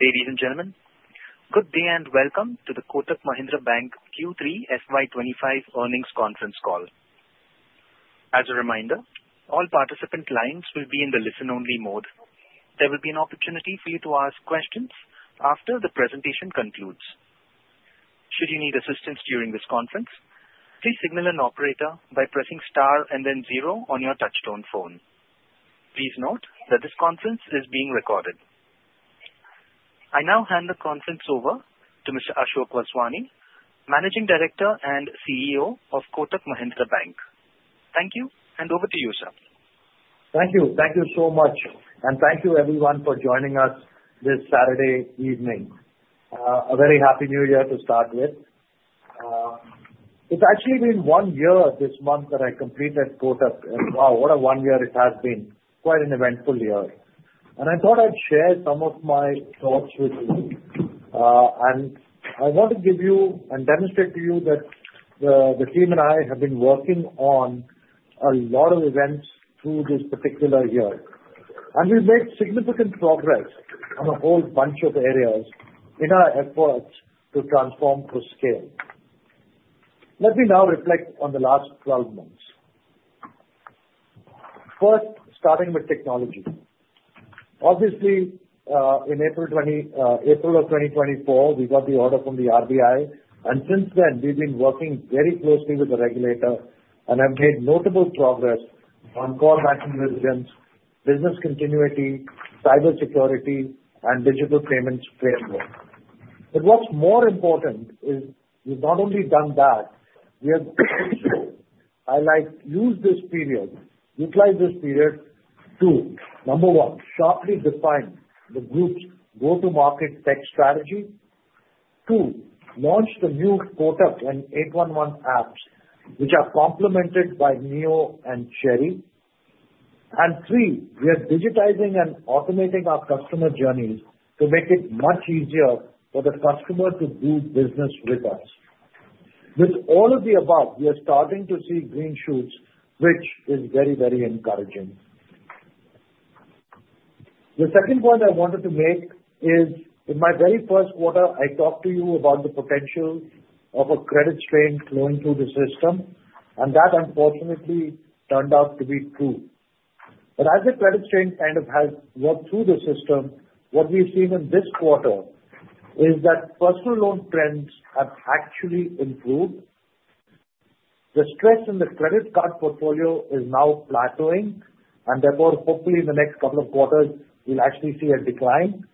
Ladies and gentlemen, good day and welcome to the Kotak Mahindra Bank Q3 FY25 Earnings Conference Call. As a reminder, all participant lines will be in the listen-only mode. There will be an opportunity for you to ask questions after the presentation concludes. Should you need assistance during this conference, please signal an operator by pressing star and then zero on your touch-tone phone. Please note that this conference is being recorded. I now hand the conference over to Mr. Ashok Vaswani, Managing Director and CEO of Kotak Mahindra Bank. Thank you, and over to you, sir. Thank you. Thank you so much, and thank you, everyone, for joining us this Saturday evening. A very happy New Year to start with. It's actually been one year this month that I completed Kotak, and wow, what a one year it has been. Quite an eventful year, and I thought I'd share some of my thoughts with you, and I want to give you and demonstrate to you that the team and I have been working on a lot of events through this particular year, and we've made significant progress on a whole bunch of areas in our efforts to transform to scale. Let me now reflect on the last 12 months. First, starting with technology. Obviously, in April of 2024, we got the order from the RBI. And since then, we've been working very closely with the regulator and have made notable progress on call-back resilience, business continuity, cybersecurity, and digital payments framework. But what's more important is we've not only done that, we have also used this period, utilized this period to, number one, sharply define the group's go-to-market tech strategy. Two, launch the new Kotak and 811 apps, which are complemented by Neo and Cherry. And three, we are digitizing and automating our customer journeys to make it much easier for the customer to do business with us. With all of the above, we are starting to see green shoots, which is very, very encouraging. The second point I wanted to make is, in my very first quarter, I talked to you about the potential of a credit strain flowing through the system, and that unfortunately turned out to be true. But as the credit strain kind of has worked through the system, what we've seen in this quarter is that personal loan trends have actually improved. The stress in the credit card portfolio is now plateauing, and therefore, hopefully, in the next couple of quarters, we'll actually see a decline.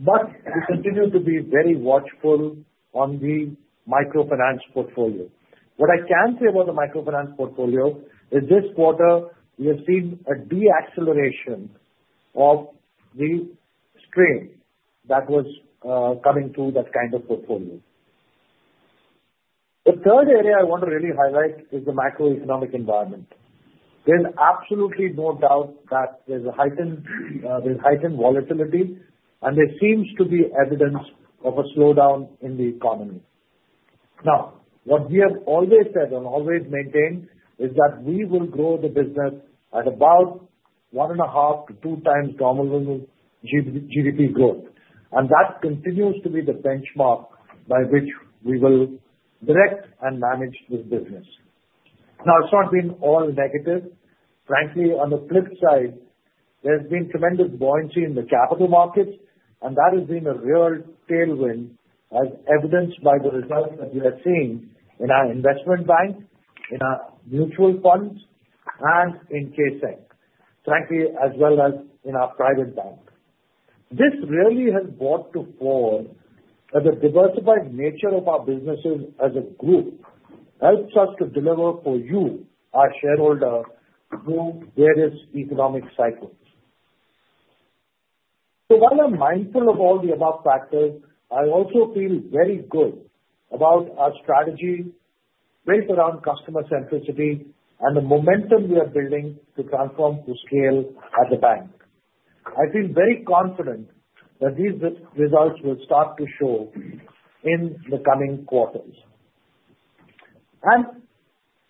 But we continue to be very watchful on the microfinance portfolio. What I can say about the microfinance portfolio is this quarter, we have seen a deceleration of the strain that was coming through that kind of portfolio. The third area I want to really highlight is the macroeconomic environment. There's absolutely no doubt that there's heightened volatility, and there seems to be evidence of a slowdown in the economy. Now, what we have always said and always maintained is that we will grow the business at about one and a half to two times normal GDP growth. And that continues to be the benchmark by which we will direct and manage this business. Now, it's not been all negative. Frankly, on the flip side, there's been tremendous buoyancy in the capital markets, and that has been a real tailwind, as evidenced by the results that we are seeing in our investment bank, in our mutual funds, and in KSEC, frankly, as well as in our private bank. This really has brought to the fore that the diversified nature of our businesses as a group helps us to deliver for you, our shareholder, through various economic cycles. So while I'm mindful of all the above factors, I also feel very good about our strategy built around customer centricity and the momentum we are building to transform to scale as a bank. I feel very confident that these results will start to show in the coming quarters. And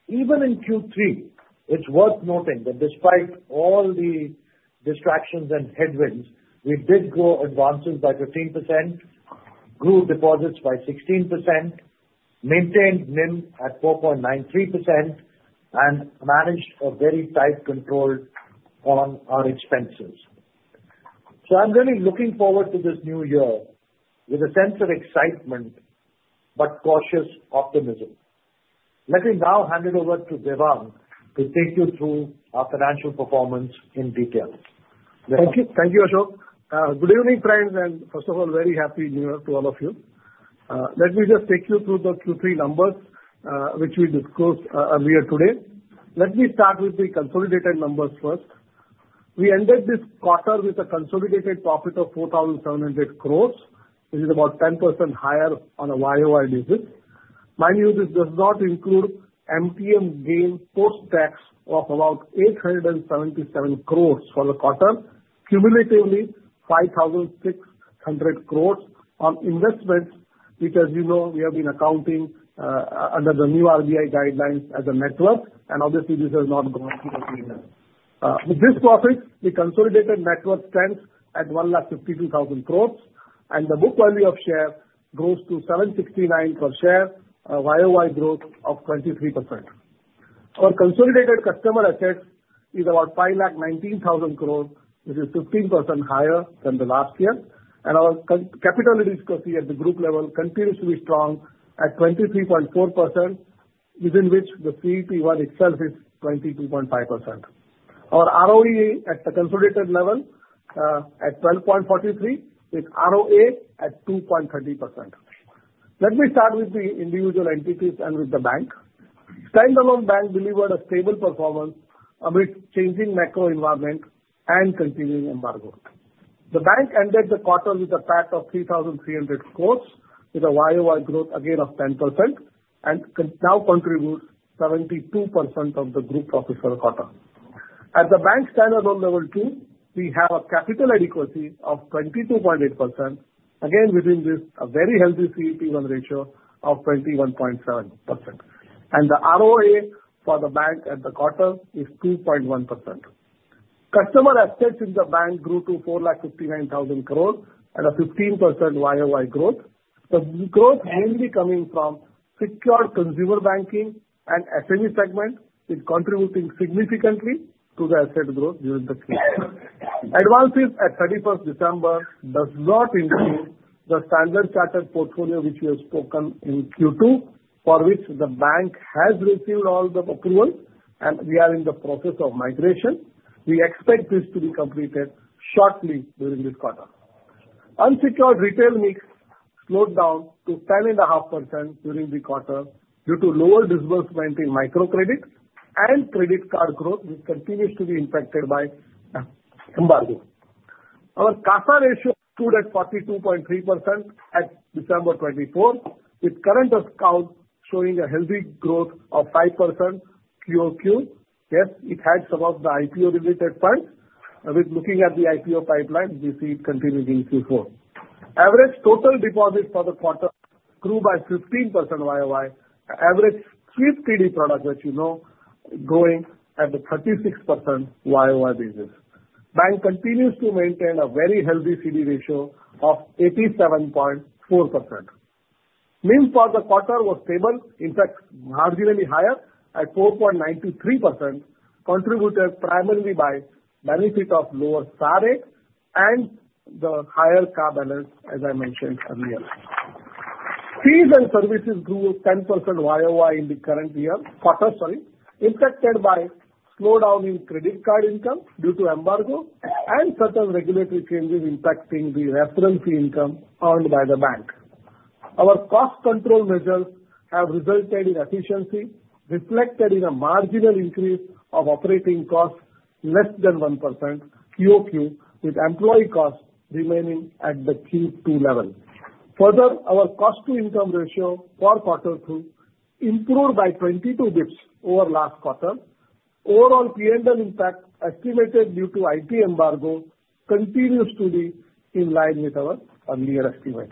even in Q3, it's worth noting that despite all the distractions and headwinds, we did grow advances by 15%, grew deposits by 16%, maintained NIM at 4.93%, and managed a very tight control on our expenses. So I'm really looking forward to this new year with a sense of excitement but cautious optimism. Let me now hand it over to Devang to take you through our financial performance in detail. Thank you, Ashok. Good evening, friends. First of all, very happy new year to all of you. Let me just take you through the Q3 numbers, which we discussed earlier today. Let me start with the consolidated numbers first. We ended this quarter with a consolidated profit of 4,700 crores, which is about 10% higher on a year-over-year basis. Minus MTM gain post-tax of about 877 crores for the quarter, cumulatively 5,600 crores on investments, which, as you know, we have been accounting under the new RBI guidelines as net worth. Obviously, this has not gone through the P&L. With this profit, we consolidated net worth strength at 152,000 crores, and the book value per share grows to 769 per share, year-over-year growth of 23%. Our consolidated customer assets is about 519,000 crores, which is 15% higher than the last year. Our capital efficiency at the group level continues to be strong at 23.4%, within which the CET1 itself is 22.5%. Our ROE at the consolidated level is 12.43%, with ROA at 2.30%. Let me start with the individual entities and with the bank. Standalone bank delivered a stable performance amidst changing macro environment and continuing embargo. The bank ended the quarter with a PAT of 3,300 crores, with a year-over-year growth again of 10%, and now contributes 72% of the group profit for the quarter. At the bank standalone level too, we have a capital adequacy of 22.8%, again, within this, a very healthy CET1 ratio of 21.7%. The ROA for the bank at the quarter is 2.1%. Customer assets in the bank grew to 459,000 crores and a 15% year-over-year growth. The growth mainly coming from secured consumer banking and SME segment, which is contributing significantly to the asset growth during the Q3. Advances at 31st December does not include the Standard Chartered portfolio, which we have spoken in Q2, for which the bank has received all the approval, and we are in the process of migration. We expect this to be completed shortly during this quarter. Unsecured retail mix slowed down to 10.5% during the quarter due to lower disbursement in microcredit and credit card growth, which continues to be impacted by embargo. Our CASA ratio stood at 42.3% at December 31, with current account showing a healthy growth of 5% quarter-to-quarter. Yes, it had some of the IPO-related funds. While looking at the IPO pipeline, we see it continuing Q4. Average total deposits for the quarter grew by 15% year-over-year, average Sweep TD product, as you know, growing at the 36% year-over-year basis. Bank continues to maintain a very healthy CD ratio of 87.4%. NIM for the quarter was stable, in fact, marginally higher at 4.93%, contributed primarily by benefit of lower SA rate and the higher CA balance, as I mentioned earlier. Fees and services grew 10% year-over-year in the current year, impacted by slowdown in credit card income due to embargo and certain regulatory changes impacting the referral fee income earned by the bank. Our cost control measures have resulted in efficiency, reflected in a marginal increase of operating costs less than 1% quarter-to-quarter, with employee costs remaining at the Q2 level. Further, our cost-to-income ratio for quarter two improved by 22 basis points over last quarter. Overall, PL impact estimated due to IT embargo continues to be in line with our earlier estimate.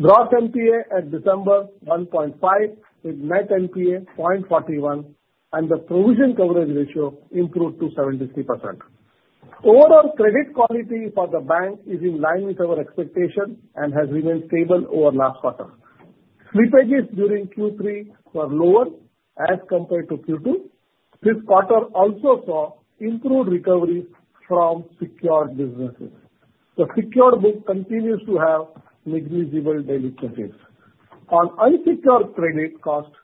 Gross NPA at December 1.5%, with net NPA 0.41%, and the provision coverage ratio improved to 73%. Overall, credit quality for the bank is in line with our expectation and has remained stable over last quarter. Slippages during Q3 were lower as compared to Q2. This quarter also saw improved recoveries from secured businesses. The secured book continues to have negligible delinquencies. On unsecured credit costs,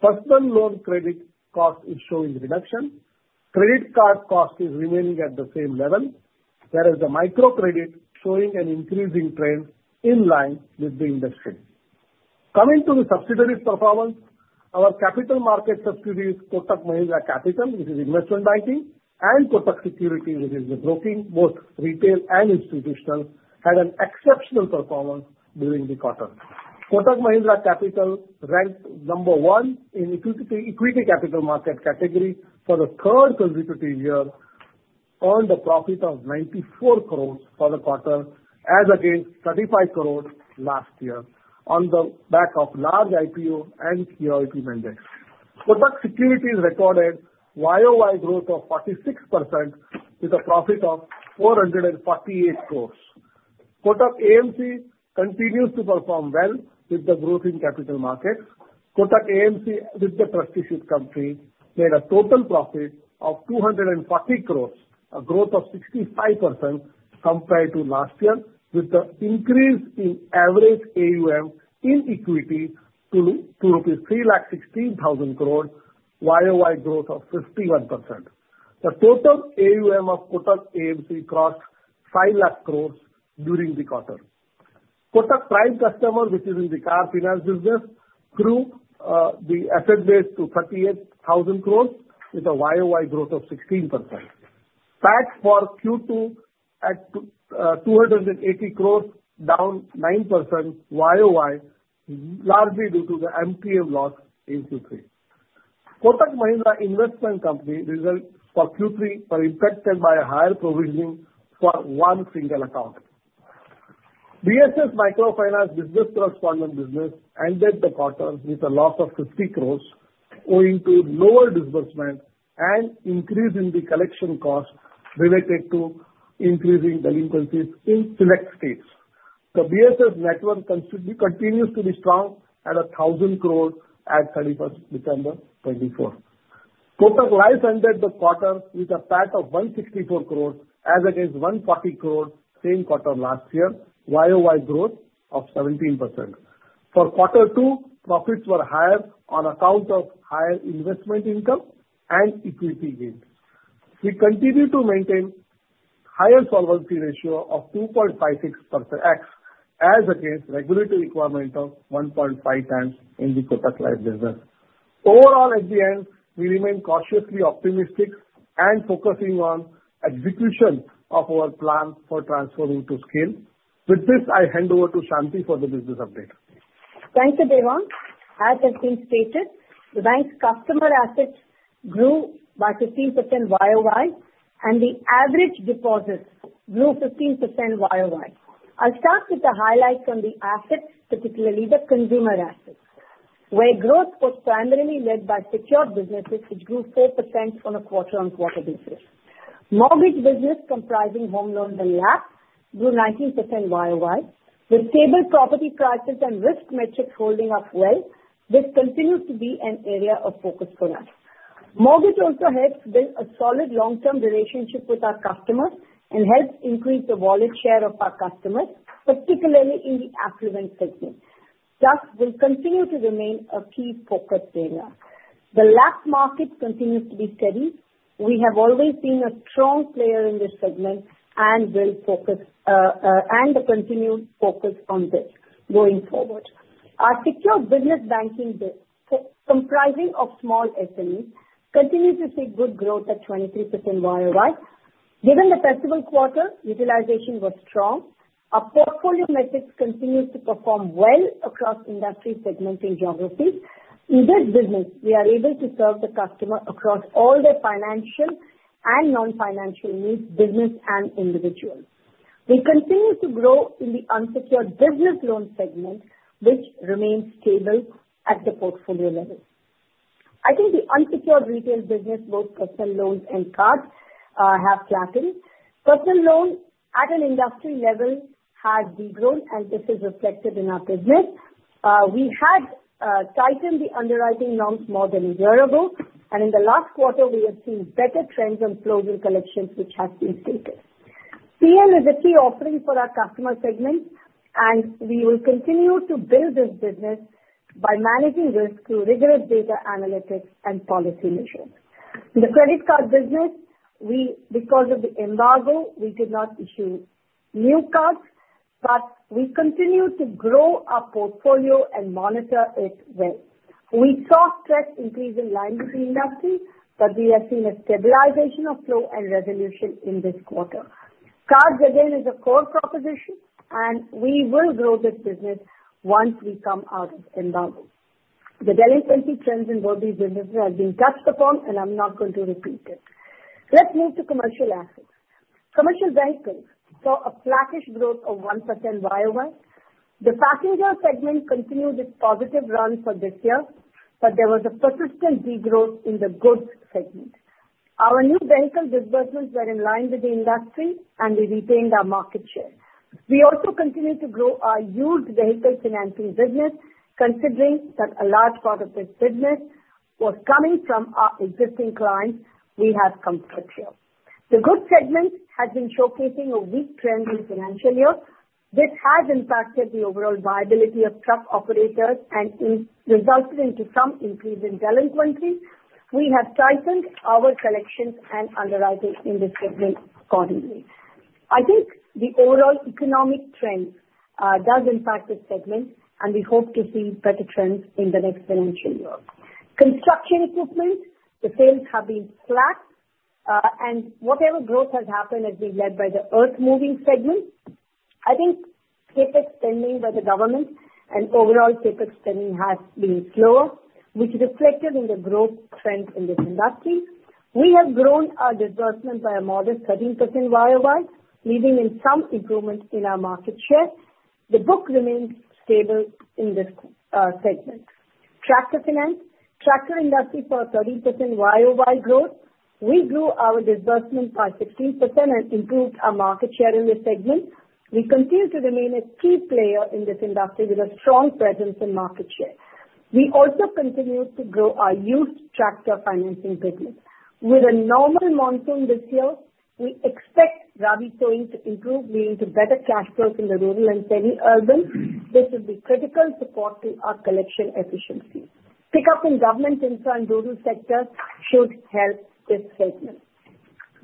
personal loan credit cost is showing reduction. Credit card cost is remaining at the same level, whereas the microcredit is showing an increasing trend in line with the industry. Coming to the subsidiary performance, our capital market subsidiaries, Kotak Mahindra Capital, which is investment banking, and Kotak Securities, which is the broking, both retail and institutional, had an exceptional performance during the quarter. Kotak Mahindra Capital ranked number one in equity capital market category for the third consecutive year, earned a profit of 94 crores for the quarter, as against 35 crores last year on the back of large IPO and QIP mandates. Kotak Securities recorded year-over-year growth of 46% with a profit of 448 crores. Kotak AMC continues to perform well with the growth in capital markets. Kotak AMC, with the trustee company, made a total profit of 240 crores, a growth of 65% compared to last year, with the increase in average AUM in equity to ₹316,000 crores, year-over-year growth of 51%. The total AUM of Kotak AMC crossed 5 lakh crores during the quarter. Kotak Prime, which is in the car finance business, grew the asset base to 38,000 crores, with a year-over-year growth of 16%. PAT for Q2 at 280 crores, down 9% year-over-year, largely due to the MTM loss in Q3. Kotak Mahindra Investment Company results for Q3 were impacted by a higher provisioning for one single account. BSS Microfinance Business Correspondent business ended the quarter with a loss of 50 crores, owing to lower disbursement and increase in the collection costs related to increasing delinquencies in select states. The BSS network continues to be strong at 1,000 crores at 31st December 2024. Kotak Life ended the quarter with a PAT of 164 crores, as against 140 crores same quarter last year, year-over-year growth of 17%. For quarter two, profits were higher on account of higher investment income and equity gains. We continue to maintain higher solvency ratio of 2.56x, as against regulatory requirement of 1.5 times in the Kotak Life business. Overall, at the end, we remain cautiously optimistic and focusing on execution of our plan for transferring to scale. With this, I hand over to Shanti for the business update. Thank you, Devang. As has been stated, the bank's customer assets grew by 15% year-over-year, and the average deposits grew 15% year-over-year. I'll start with the highlights on the assets, particularly the consumer assets, where growth was primarily led by secured businesses, which grew 4% on a quarter-on-quarter basis. Mortgage business, comprising home loans and LAPs, grew 19% year-over-year, with stable property prices and risk metrics holding up well. This continues to be an area of focus for us. Mortgage also helps build a solid long-term relationship with our customers and helps increase the wallet share of our customers, particularly in the affluent segment. Thus, we'll continue to remain a key focus area. The LAP market continues to be steady. We have always been a strong player in this segment and will continue to focus on this going forward. Our secured business banking, comprising of small SMEs, continues to see good growth at 23% year-over-year. Given the festival quarter, utilization was strong. Our portfolio metrics continue to perform well across industry segments and geographies. In this business, we are able to serve the customer across all their financial and non-financial needs, business and individual. We continue to grow in the unsecured business loan segment, which remains stable at the portfolio level. I think the unsecured retail business, both personal loans and cards, have flattened. Personal loans at an industry level have regrown, and this is reflected in our business. We had tightened the underwriting norms more than a year ago, and in the last quarter, we have seen better trends on flows and collections, which has been stated. P&L is a key offering for our customer segment, and we will continue to build this business by managing risk through rigorous data analytics and policy measures. In the credit card business, because of the embargo, we did not issue new cards, but we continue to grow our portfolio and monitor it well. We saw stress increase in line with the industry, but we have seen a stabilization of flow and resolution in this quarter. Cards, again, is a core proposition, and we will grow this business once we come out of embargo. The delinquency trends in both these businesses have been touched upon, and I'm not going to repeat it. Let's move to commercial assets. Commercial banking saw a flattish growth of 1% year-over-year. The passenger segment continued its positive run for this year, but there was a persistent degrowth in the goods segment. Our new vehicle disbursements were in line with the industry, and we retained our market share. We also continue to grow our used vehicle financing business, considering that a large part of this business was coming from our existing clients we have come through here. The goods segment has been showcasing a weak trend in financial years. This has impacted the overall viability of truck operators and resulted in some increase in delinquencies. We have tightened our collections and underwriting in this segment accordingly. I think the overall economic trend does impact this segment, and we hope to see better trends in the next financial year. Construction equipment, the sales have been flat, and whatever growth has happened has been led by the earth-moving segment. I think CapEx spending by the government and overall CapEx spending has been slower, which is reflected in the growth trend in this industry. We have grown our disbursement by a modest 13% year-over-year, leaving some improvement in our market share. The book remains stable in this segment. Tractor finance, the tractor industry saw a 30% year-over-year growth. We grew our disbursement by 16% and improved our market share in this segment. We continue to remain a key player in this industry with a strong presence and market share. We also continue to grow our used tractor financing business. With a normal monsoon this year, we expect Rabi sowing to improve, leading to better cash flows in the rural and semi-urban. This will be critical support to our collection efficiencies. Pickup in government infra and rural sectors should help this segment.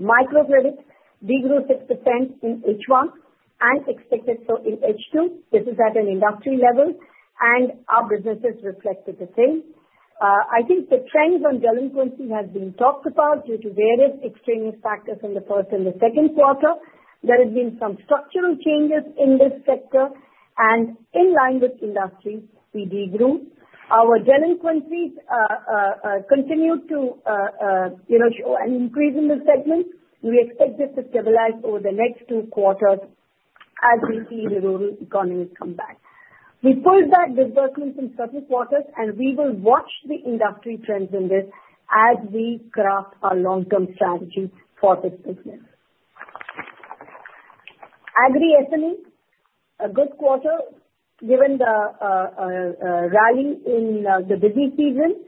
Microcredit, we grew 6% in H1 and expected so in H2. This is at an industry level, and our businesses reflected the same. I think the trends on delinquency have been talked about due to various extraneous factors in the first and the second quarter. There have been some structural changes in this sector, and in line with industry, we degrew. Our delinquencies continue to show an increase in this segment. We expect this to stabilize over the next two quarters as we see the rural economy come back. We pulled back disbursements in certain quarters, and we will watch the industry trends in this as we craft our long-term strategy for this business. Agri SME, a good quarter given the rally in the busy season.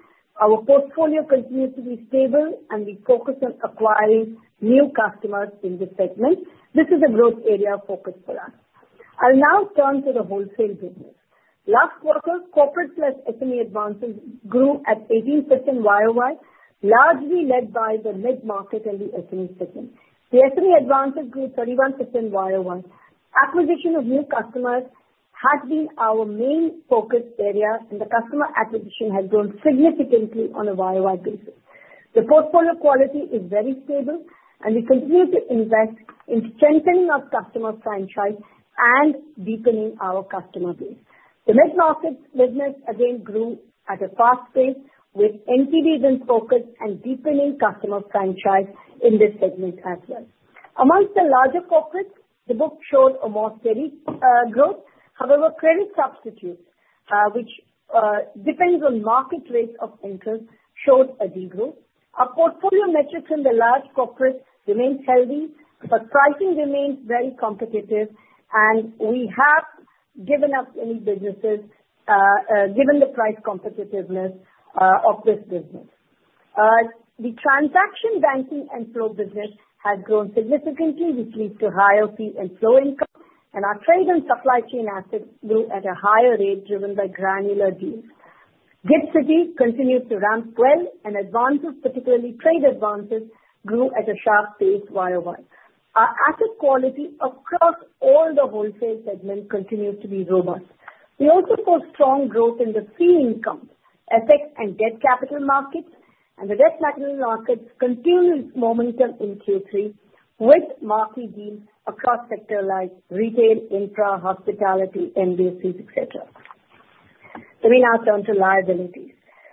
Our portfolio continues to be stable, and we focus on acquiring new customers in this segment. This is a growth area focus for us. I'll now turn to the wholesale business. Last quarter, Corporate plus SME advances grew at 18% year-over-year, largely led by the mid-market and the SME segment. The SME advances grew 31% year-over-year. Acquisition of new customers has been our main focus area, and the customer acquisition has grown significantly on a year-over-year basis. The portfolio quality is very stable, and we continue to invest in strengthening our customer franchise and deepening our customer base. The mid-market business, again, grew at a fast pace with NTBs in focus and deepening customer franchise in this segment as well. Among the larger corporates, the book showed a more steady growth. However, credit substitutes, which depends on market rates of interest, showed a degrowth. Our portfolio metrics in the large corporate remained healthy, but pricing remains very competitive, and we have given up any businesses given the price competitiveness of this business. The transaction banking and flow business has grown significantly, which leads to higher fee and flow income, and our trade and supply chain assets grew at a higher rate driven by granular deals. GIFT City continues to ramp well, and advances, particularly trade advances, grew at a sharp pace year-over-year. Our asset quality across all the wholesale segment continues to be robust. We also saw strong growth in the fee income, FX, and debt capital markets, and the debt capital markets continued momentum in Q3 with marquee deals across sectors like retail, infra, hospitality, NBFCs, etc. Let me now turn to liabilities.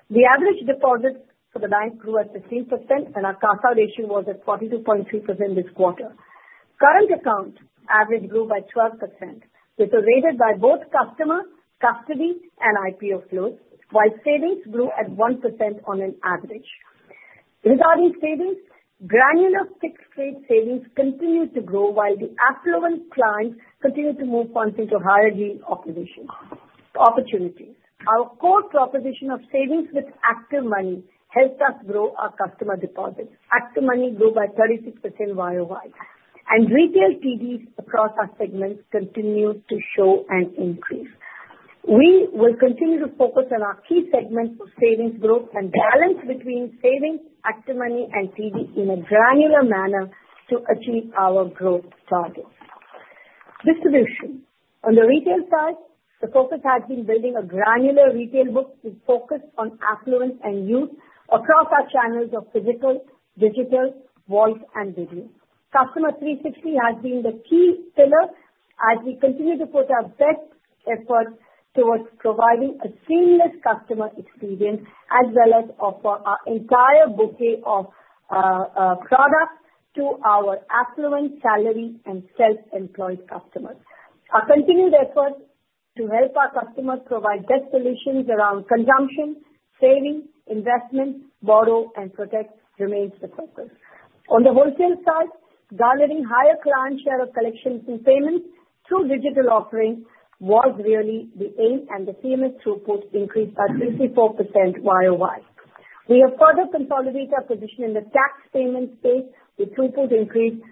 The average deposits for the bank grew at 15%, and our CASA ratio was at 42.3% this quarter. Current account average grew by 12%. This was aided by both customer, custody, and IPO flows, while savings grew at 1% on average. Regarding savings, granular fixed-rate savings continued to grow, while the affluent clients continued to move on to higher yield opportunities. Our core proposition of savings with ActivMoney helped us grow our customer deposits. ActivMoney grew by 36% year-over-year, and retail TDs across our segments continued to show an increase. We will continue to focus on our key segments of savings growth and balance between savings, ActivMoney, and TD in a granular manner to achieve our growth targets. Distribution. On the retail side, the focus has been building a granular retail book with focus on affluence and youth across our channels of physical, digital, voice, and video. Customer 360 has been the key pillar as we continue to put our best effort towards providing a seamless customer experience as well as offer our entire bouquet of products to our affluent, salary, and self-employed customers. Our continued efforts to help our customers provide best solutions around consumption, saving, investment, borrow, and protect remain the focus. On the wholesale side, garnering higher client share of collections and payments through digital offerings was really the aim, and the CMS throughput increased by 54% year-over-year. We have further consolidated our position in the tax payment space with throughput increasing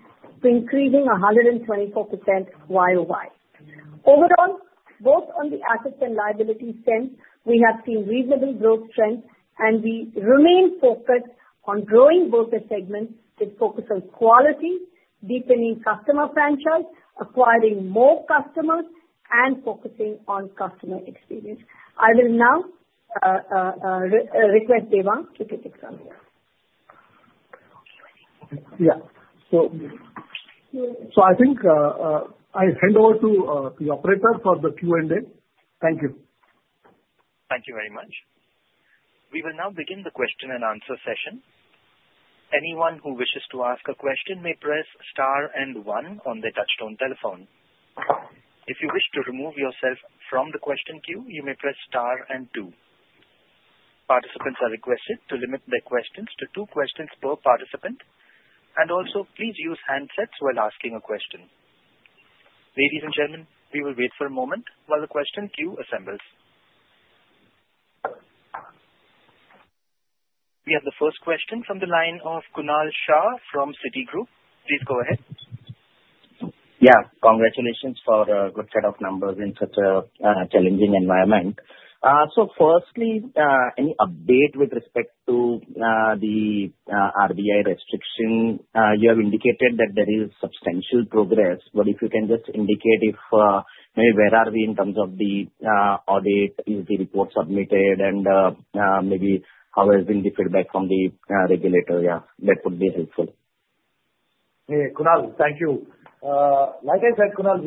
124% year-over-year. Overall, both on the assets and liability spend, we have seen reasonable growth trends, and we remain focused on growing both the segments with focus on quality, deepening customer franchise, acquiring more customers, and focusing on customer experience. I will now request Devang to take the floor. Yeah. So I think I hand over to the operator for the Q&A. Thank you. Thank you very much. We will now begin the question and answer session. Anyone who wishes to ask a question may press star and one on the touch-tone telephone. If you wish to remove yourself from the question queue, you may press star and two. Participants are requested to limit their questions to two questions per participant, and also, please use handsets while asking a question. Ladies and gentlemen, we will wait for a moment while the question queue assembles. We have the first question from the line of Kunal Shah from Citigroup. Please go ahead. Yeah. Congratulations for a good set of numbers in such a challenging environment. So firstly, any update with respect to the RBI restriction? You have indicated that there is substantial progress, but if you can just indicate if maybe where are we in terms of the audit, is the report submitted, and maybe how has been the feedback from the regulator? Yeah, that would be helpful. Yeah. Kunal, thank you. Like I said, Kunal,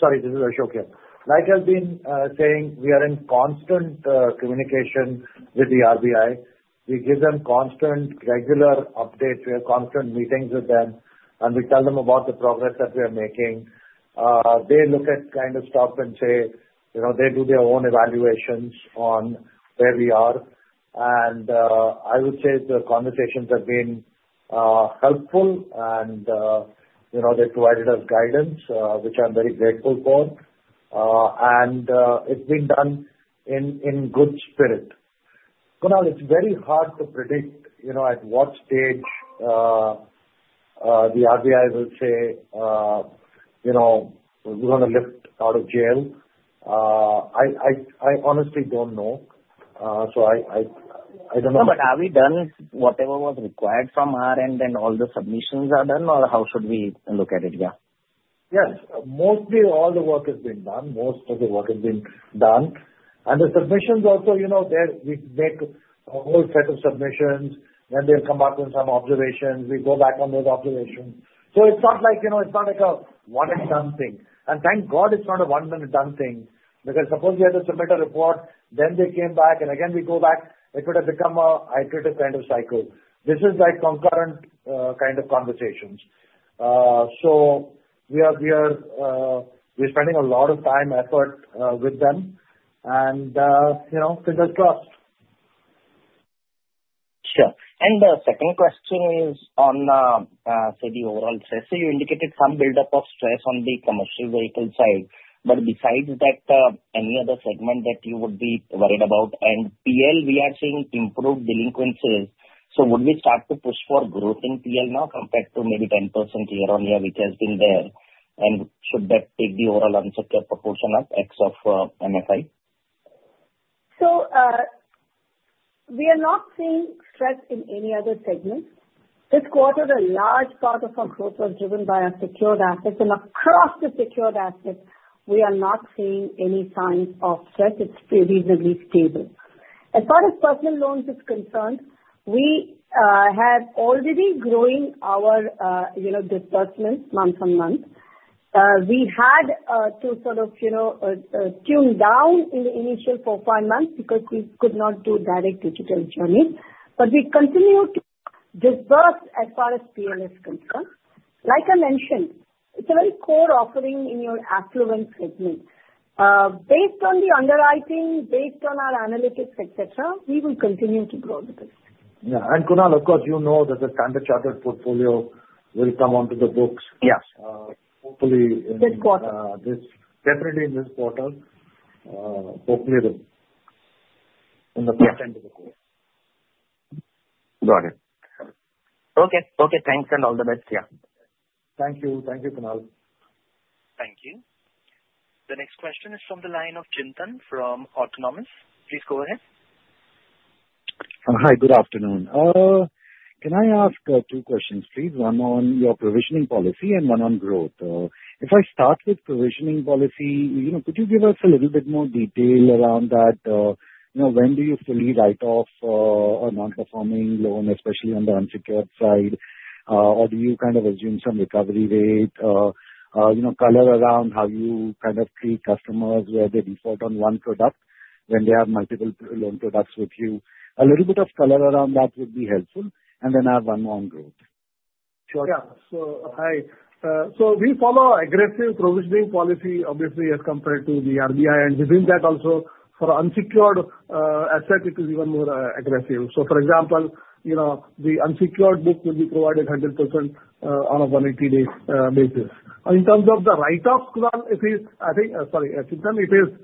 sorry, this is Ashok here. Like I've been saying, we are in constant communication with the RBI. We give them constant regular updates. We have constant meetings with them, and we tell them about the progress that we are making. They look at kind of stuff and say they do their own evaluations on where we are. And I would say the conversations have been helpful, and they provided us guidance, which I'm very grateful for. And it's been done in good spirit. Kunal, it's very hard to predict at what stage the RBI will say, "We're going to lift out of jail." I honestly don't know, so I don't know. Yeah, but have we done whatever was required from our end, and all the submissions are done, or how should we look at it? Yeah. Yes. Most of the work has been done, and the submissions also, we make a whole set of submissions, then they'll come back with some observations, we go back on those observations, so it's not like a one-and-done thing, and thank God it's not a one-minute-done thing, because suppose we had to submit a report, then they came back, and again we go back, it would have become a iterative kind of cycle. This is like concurrent kind of conversations, so we are spending a lot of time and effort with them, and fingers crossed. Sure. And the second question is on, say, the overall stress. So you indicated some buildup of stress on the commercial vehicle side, but besides that, any other segment that you would be worried about? And PL, we are seeing improved delinquencies. So would we start to push for growth in PL now compared to maybe 10% year-over-year, which has been there? And should that take the overall unsecured proportion up in MFI? We are not seeing stress in any other segments. This quarter, a large part of our growth was driven by our secured assets, and across the secured assets, we are not seeing any signs of stress. It's pretty reasonably stable. As far as personal loans are concerned, we have already been growing our disbursements month on month. We had to sort of tone down in the initial four, five months because we could not do direct digital journeys. But we continue to disburse as far as PL is concerned. Like I mentioned, it's a very core offering in your affluent segment. Based on the underwriting, based on our analytics, etc., we will continue to grow with this. Yeah. And Kunal, of course, you know that the Standard Chartered portfolio will come onto the books. Yes. Hopefully. This quarter. Definitely in this quarter. Hopefully in the first end of the quarter. Got it. Okay. Okay. Thanks and all the best. Yeah. Thank you. Thank you, Kunal. Thank you. The next question is from the line of Chintan from Autonomous. Please go ahead. Hi. Good afternoon. Can I ask two questions, please? One on your provisioning policy and one on growth. If I start with provisioning policy, could you give us a little bit more detail around that? When do you fully write off a non-performing loan, especially on the unsecured side? Or do you kind of assume some recovery rate? Color around how you kind of treat customers where they default on one product when they have multiple loan products with you? A little bit of color around that would be helpful, and then I have one more on growth. Sure. Yeah. So, hi. So we follow aggressive provisioning policy, obviously, as compared to the RBI. And within that also, for unsecured assets, it is even more aggressive. So for example, the unsecured book will be provided 100% on a 180-day basis. In terms of the write-offs, Kunal, it is, I think, sorry, Chintan, it is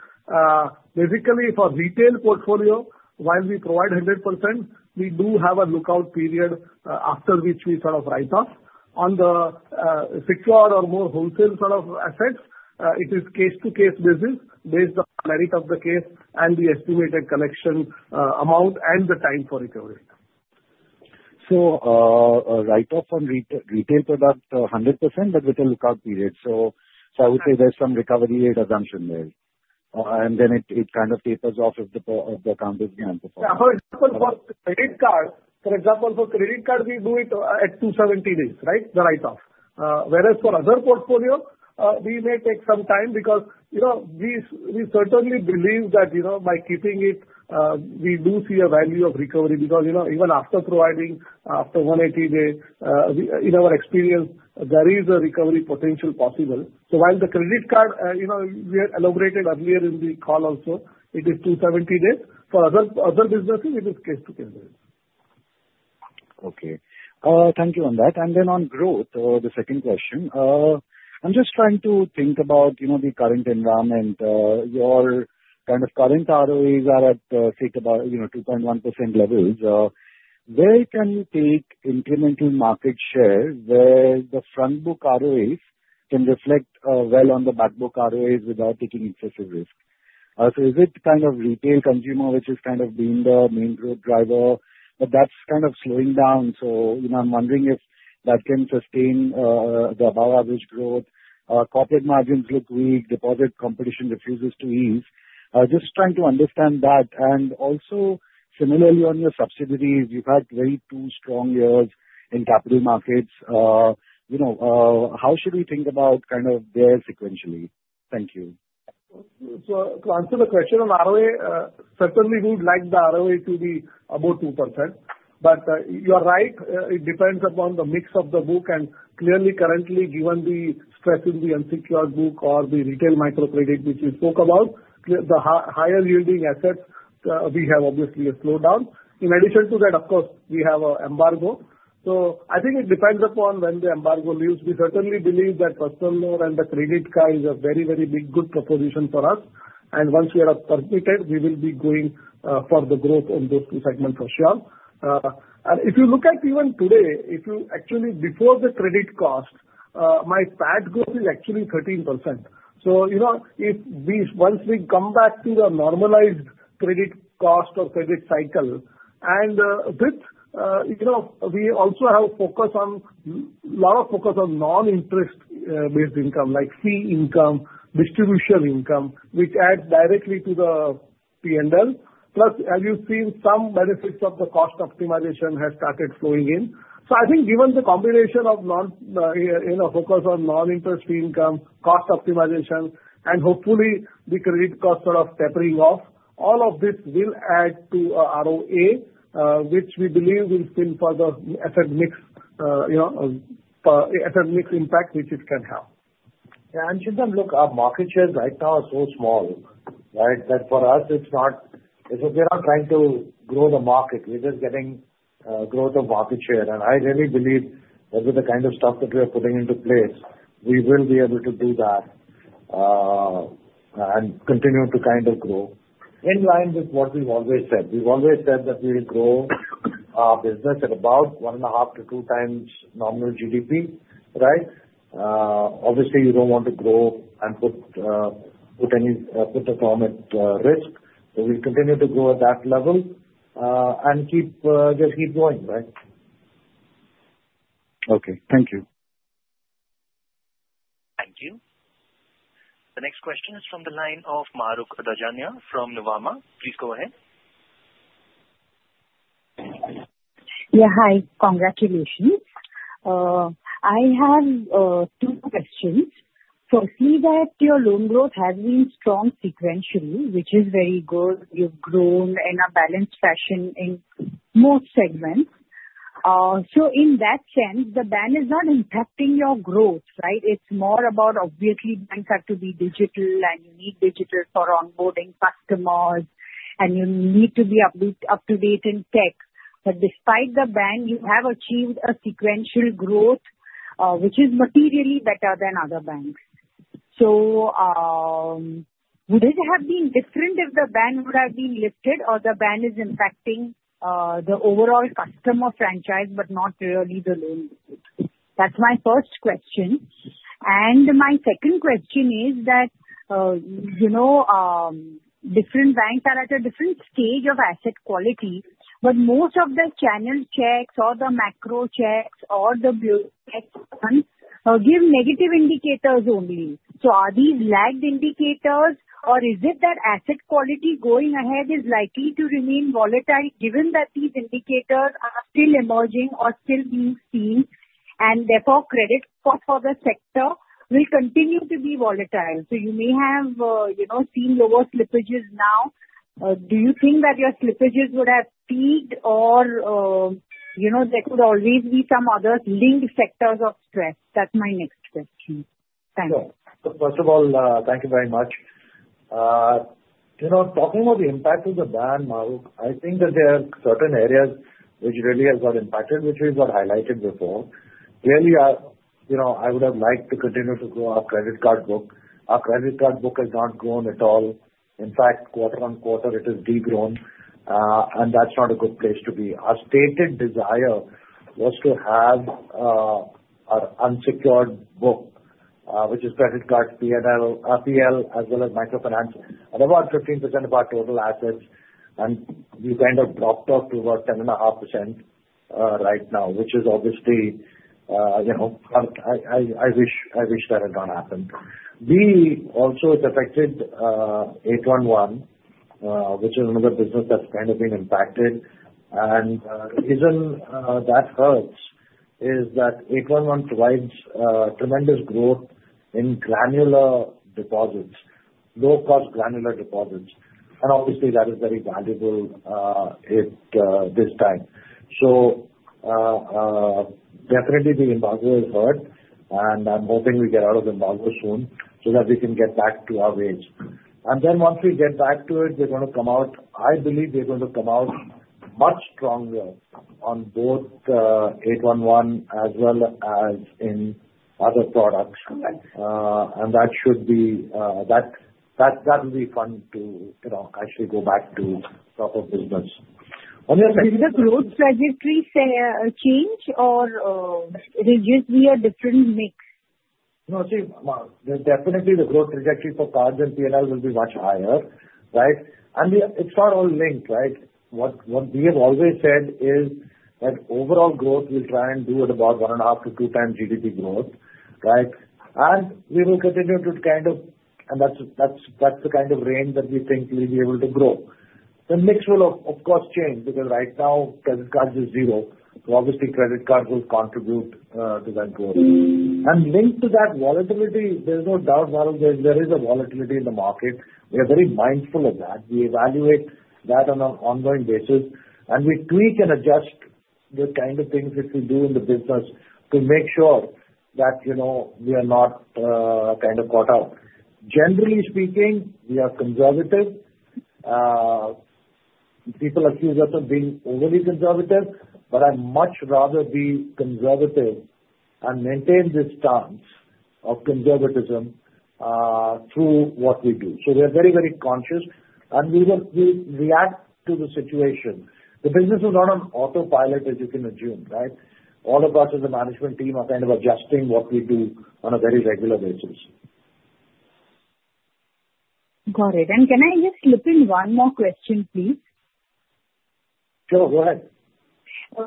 basically for retail portfolio, while we provide 100%, we do have a lookout period after which we sort of write off. On the secured or more wholesale sort of assets, it is case-by-case basis, based on the merit of the case and the estimated collection amount and the time for recovery. Write-off on retail product 100%, but with a lookout period. So I would say there's some recovery rate assumption there. And then it kind of tapers off if the account is beyond performance. Yeah. For example, for credit card, we do it at 270 days, right? The write-off. Whereas for other portfolio, we may take some time because we certainly believe that by keeping it, we do see a value of recovery. Because even after providing after 180 days, in our experience, there is a recovery potential possible. So while the credit card, we had elaborated earlier in the call also, it is 270 days. For other businesses, it is case-by-case basis. Okay. Thank you on that. And then on growth, the second question. I'm just trying to think about the current environment. Your kind of current ROAs are at, say, about 2.1% levels. Where can you take incremental market share where the front book ROAs can reflect well on the back book ROAs without taking excessive risk? So is it kind of retail consumer, which has kind of been the main growth driver, but that's kind of slowing down? So I'm wondering if that can sustain the above-average growth. Corporate margins look weak. Deposit competition refuses to ease. Just trying to understand that. And also, similarly on your subsidiaries, you've had two very strong years in capital markets. How should we think about them sequentially? Thank you. So to answer the question on ROA, certainly we would like the ROA to be above 2%. But you're right. It depends upon the mix of the book. And clearly, currently, given the stress in the unsecured book or the retail microcredit, which we spoke about, the higher yielding assets, we have obviously a slowdown. In addition to that, of course, we have an embargo. So I think it depends upon when the embargo leaves. We certainly believe that personal loan and the credit card is a very, very big good proposition for us. And once we are permitted, we will be going for the growth on those two segments for sure. And if you look at even today, if you actually before the credit cost, my PAT growth is actually 13%. Once we come back to the normalized credit cost or credit cycle, and we also have a lot of focus on non-interest-based income like fee income, distribution income, which adds directly to the P&L. Plus, as you've seen, some benefits of the cost optimization have started flowing in. I think given the combination of focus on non-interest fee income, cost optimization, and hopefully the credit cost sort of tapering off, all of this will add to ROA, which we believe will spin further asset mix impact, which it can have. Yeah. And Chintan, look, our market shares right now are so small, right? That for us, it's not we're not trying to grow the market. We're just getting growth of market share. And I really believe that with the kind of stuff that we are putting into place, we will be able to do that and continue to kind of grow in line with what we've always said. We've always said that we will grow our business at about one and a half to two times normal GDP, right? Obviously, you don't want to grow and put any put the firm at risk. So we'll continue to grow at that level and just keep going, right? Okay. Thank you. Thank you. The next question is from the line of Mahrukh Adajania from Nuvama. Please go ahead. Yeah. Hi. Congratulations. I have two questions. Firstly, that your loan growth has been strong sequentially, which is very good. You've grown in a balanced fashion in most segments. So in that sense, the ban is not impacting your growth, right? It's more about obviously banks have to be digital and you need digital for onboarding customers, and you need to be up-to-date in tech. But despite the ban, you have achieved a sequential growth, which is materially better than other banks. So would it have been different if the ban would have been lifted, or the ban is impacting the overall customer franchise, but not really the loan? That's my first question. And my second question is that different banks are at a different stage of asset quality, but most of the channel checks or the macro checks or the bureaucrats give negative indicators only. So are these lagged indicators, or is it that asset quality going ahead is likely to remain volatile given that these indicators are still emerging or still being seen, and therefore credit costs for the sector will continue to be volatile? So you may have seen lower slippages now. Do you think that your slippages would have peaked, or there could always be some other linked sectors of stress? That's my next question. Thanks. Yeah. First of all, thank you very much. Talking about the impact of the ban, Mahrukh, I think that there are certain areas which really have got impacted, which we've got highlighted before. Clearly, I would have liked to continue to grow our credit card book. Our credit card book has not grown at all. In fact, quarter on quarter, it has degrown, and that's not a good place to be. Our stated desire was to have an unsecured book, which is credit cards, PL, as well as microfinance, at about 15% of our total assets. And we've kind of dropped off to about 10.5% right now, which is obviously I wish that had not happened. We also have affected 811, which is another business that's kind of been impacted. The reason that hurts is that 811 provides tremendous growth in granular deposits, low-cost granular deposits. Obviously, that is very valuable at this time. Definitely, the embargo has hurt, and I'm hoping we get out of the embargo soon so that we can get back to our ways. Then once we get back to it, we're going to come out I believe we're going to come out much stronger on both 811 as well as in other products. That will be fun to actually go back to proper business. Will the growth trajectory change or reduce via different mix? No. See, definitely the growth trajectory for cards and P&L will be much higher, right? It's not all linked, right? What we have always said is that overall growth, we'll try and do at about one and a half to two times GDP growth, right, and we will continue to kind of, and that's the kind of range that we think we'll be able to grow. The mix will, of course, change because right now, credit cards are zero. So obviously, credit cards will contribute to that growth, and linked to that volatility, there's no doubt there is a volatility in the market. We are very mindful of that. We evaluate that on an ongoing basis, and we tweak and adjust the kind of things that we do in the business to make sure that we are not kind of caught out. Generally speaking, we are conservative. People accuse us of being overly conservative, but I'd much rather be conservative and maintain this stance of conservatism through what we do. So we are very, very conscious, and we react to the situation. The business is not on autopilot, as you can assume, right? All of us as a management team are kind of adjusting what we do on a very regular basis. Got it. And can I just slip in one more question, please? Sure. Go ahead. So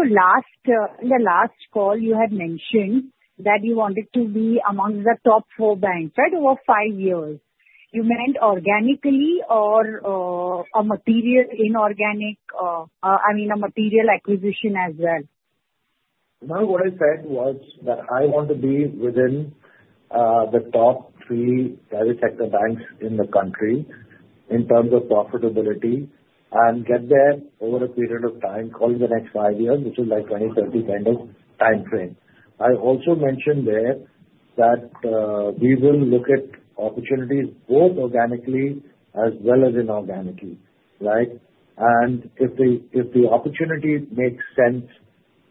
in the last call, you had mentioned that you wanted to be among the top four banks, right, over five years. You meant organically or a material inorganic I mean, a material acquisition as well? No. What I said was that I want to be within the top three private sector banks in the country in terms of profitability and get there over a period of time, call it the next five years, which is like 2030 kind of time frame. I also mentioned there that we will look at opportunities both organically as well as inorganically, right? And if the opportunity makes sense,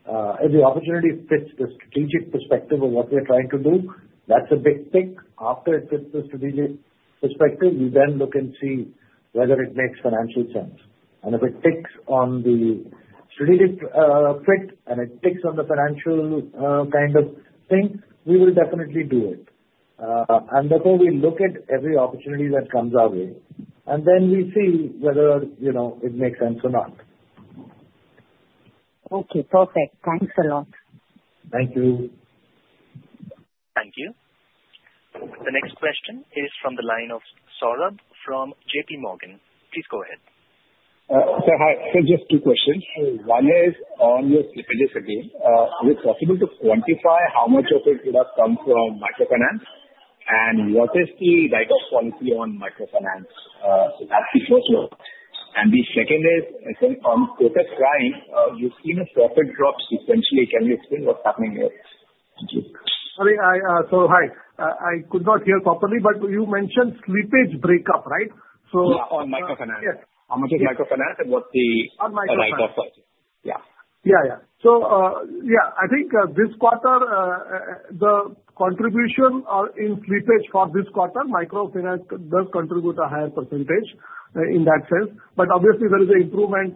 if the opportunity fits the strategic perspective of what we're trying to do, that's a big tick. After it fits the strategic perspective, we then look and see whether it makes financial sense. And if it ticks on the strategic fit and it ticks on the financial kind of thing, we will definitely do it. And therefore, we look at every opportunity that comes our way, and then we see whether it makes sense or not. Okay. Perfect. Thanks a lot. Thank you. Thank you. The next question is from the line of Saurabh from JP Morgan. Please go ahead. So hi. So just two questions. One is on your slippages again. Is it possible to quantify how much of it would have come from microfinance, and what is the write-off quantity on microfinance? So that's the first one. And the second is, on quarterly, you've seen a profit drop sequentially. Can you explain what's happening here? Thank you. Sorry. Hi. I could not hear properly, but you mentioned slippage breakup, right? Yeah. On microfinance. How much is microfinance and what's the write-off quality? Yeah. So yeah, I think this quarter, the contribution in slippage for this quarter, microfinance does contribute a higher percentage in that sense. But obviously, there is an improvement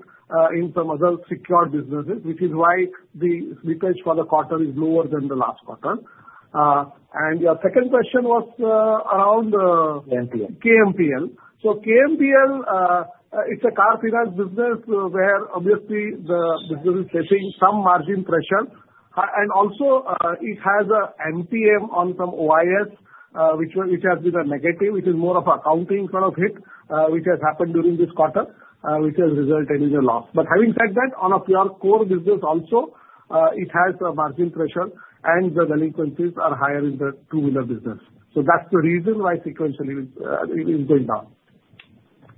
in some other secured businesses, which is why the slippage for the quarter is lower than the last quarter. And your second question was around. KMPL. KMPL. So KMPL, it's a car finance business where obviously the business is facing some margin pressure. And also, it has an MTM on some OIS, which has been a negative. It is more of an accounting sort of hit which has happened during this quarter, which has resulted in a loss. But having said that, on a pure core business also, it has a margin pressure, and the delinquencies are higher in the two-wheeler business. So that's the reason why sequentially it is going down.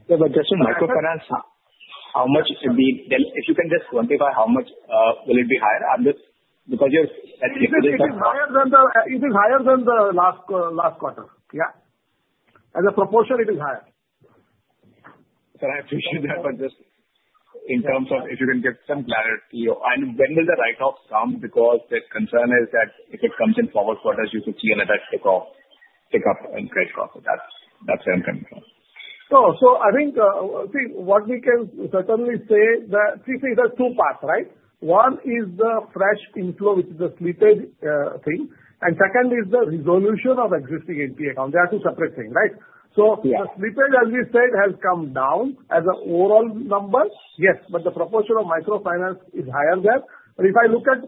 Yeah. But just in microfinance, how much if you can just quantify how much will it be higher? Because you're at 60%. It is higher than the last quarter. Yeah. As a proportion, it is higher. So I appreciate that, but just in terms of if you can get some clarity. And when will the write-offs come? Because the concern is that if it comes in forward quarters, you could see another tick-off, tick-up in credit cards. That's where I'm coming from. So I think what we can certainly say that see, there are two paths, right? One is the fresh inflow, which is the slippage thing. And second is the resolution of existing NPA accounts. They are two separate things, right? So the slippage, as we said, has come down as an overall number, yes, but the proportion of microfinance is higher there. But if I look at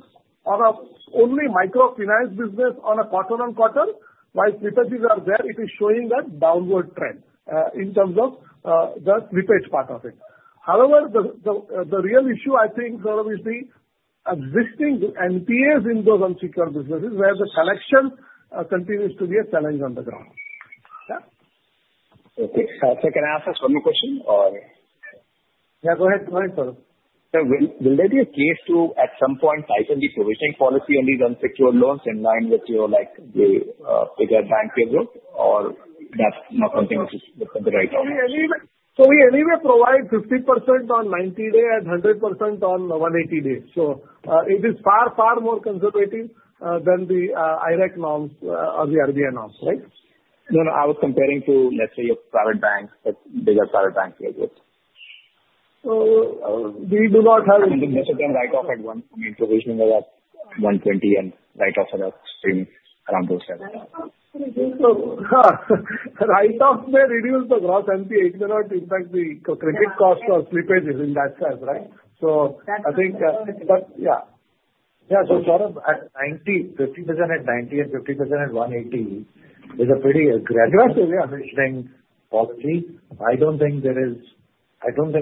only microfinance business on a quarter-on-quarter, while slippages are there, it is showing a downward trend in terms of the slippage part of it. However, the real issue, I think, is the existing NPAs in those unsecured businesses where the selection continues to be a challenge on the ground. Okay. So I'll take an answer to one more question, or? Yeah. Go ahead. Go ahead, Saurabh. So will there be a case to at some point tighten the provisioning policy on these unsecured loans in line with the bigger bank pivot, or that's not something which is the write-off? So we anyway provide 50% on 90-day and 100% on 180-day. So it is far, far more conservative than the IRAC norms or the RBI norms, right? No. No. I was comparing to, let's say, your private banks, bigger private banks like this. We do not have. Write-off at one. I mean, provisioning at 120 and write-off at a stream around those 70. Write-off may reduce the gross NPA. It may not impact the credit cost or slippages in that sense, right? So I think that, yeah. Yeah. So Saurabh, at 90, 50% at 90 and 50% at 180 is a pretty aggressive provisioning policy. I don't think,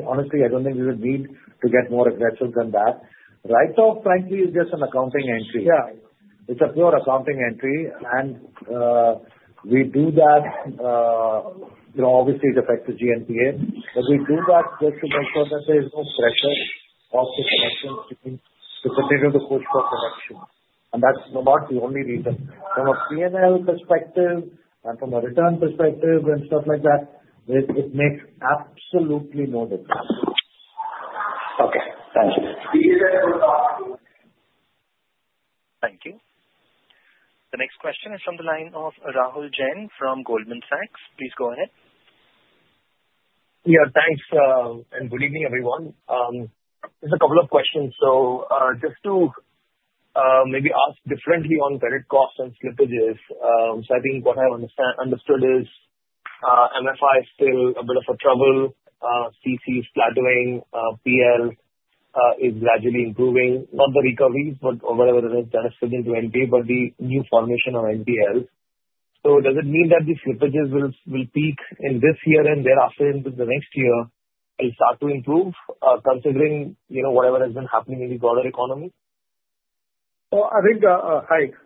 honestly, I don't think we would need to get more aggressive than that. Write-off, frankly, is just an accounting entry. It's a pure accounting entry, and we do that. Obviously, it affects the GNPA, but we do that just to make sure that there is no pressure of the collections to continue to push for collection. And that's not the only reason. From a P&L perspective and from a return perspective and stuff like that, it makes absolutely no difference. Okay. Thank you. Thank you. The next question is from the line of Rahul Jain from Goldman Sachs. Please go ahead. Yeah. Thanks. And good evening, everyone. Just a couple of questions. So just to maybe ask differently on credit costs and slippages. So I think what I understood is MFI is still a bit of a trouble. CC is flattening. PL is gradually improving. Not the recoveries, but whatever it is, that is still into MTM, but the new formation of NPL. So does it mean that the slippages will peak in this year and thereafter into the next year and start to improve considering whatever has been happening in the broader economy? So I think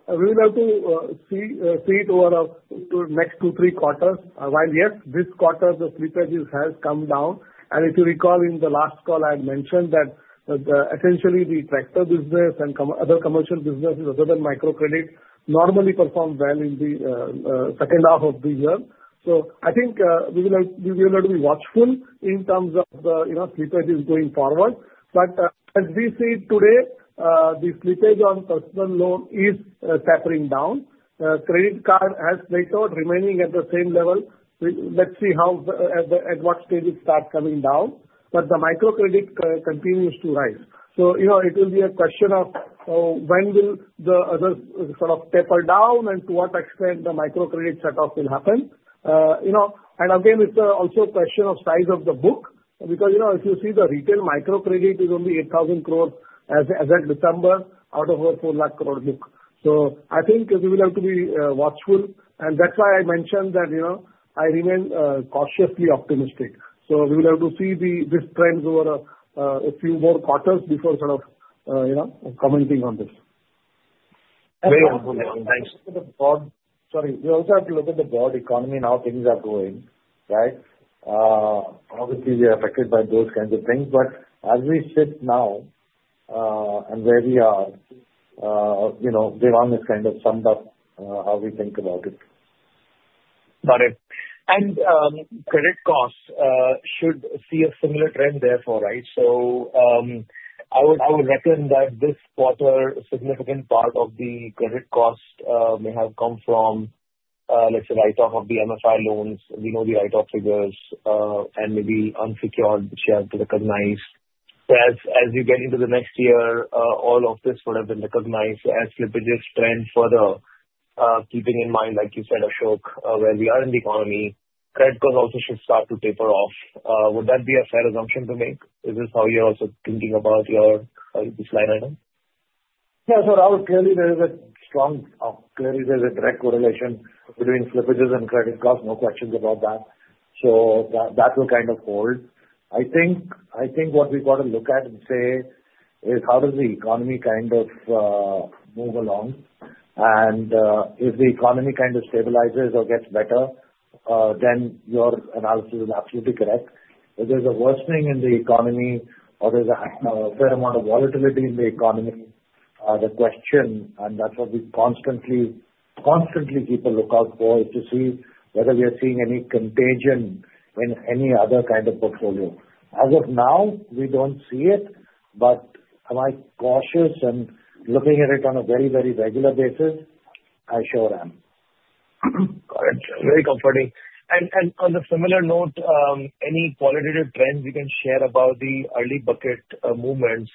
we will have to see it over the next two, three quarters. While yes, this quarter, the slippages have come down. And if you recall, in the last call, I had mentioned that essentially the tractor business and other commercial businesses other than microcredit normally perform well in the second half of the year. So I think we will have to be watchful in terms of the slippages going forward. But as we see today, the slippage on personal loan is tapering down. Credit card has plateaued, remaining at the same level. Let's see at what stage it starts coming down. But the microcredit continues to rise. So it will be a question of when will the others sort of taper down and to what extent the microcredit shut-off will happen. Again, it's also a question of size of the book because if you see the retail microcredit is only 8,000 crores as at December out of a 4 lakh crore book. I think we will have to be watchful. That's why I mentioned that I remain cautiously optimistic. We will have to see this trend over a few more quarters before sort of commenting on this. Very helpful. Thanks. Sorry. We also have to look at the broad economy and how things are going, right? Obviously, we are affected by those kinds of things. But as we sit now and where we are, they've almost kind of summed up how we think about it. Got it. And credit costs should see a similar trend therefore, right? So I would reckon that this quarter, a significant part of the credit cost may have come from, let's say, write-off of the MFI loans. We know the write-off figures and maybe unsecured which you have to recognize. So as you get into the next year, all of this would have been recognized as slippages trend further, keeping in mind, like you said, Ashok, where we are in the economy, credit costs also should start to taper off. Would that be a fair assumption to make? Is this how you're also thinking about your slide item? Yeah. So I would clearly there is a direct correlation between slippages and credit costs. No questions about that. So that will kind of hold. I think what we've got to look at and say is how does the economy kind of move along? If the economy kind of stabilizes or gets better, then your analysis is absolutely correct. If there's a worsening in the economy or there's a fair amount of volatility in the economy, the question, and that's what we constantly keep a lookout for, is to see whether we are seeing any contagion in any other kind of portfolio. As of now, we don't see it, but am I cautious and looking at it on a very, very regular basis? I sure am. Got it. Very comforting. On a similar note, any qualitative trends you can share about the early bucket movements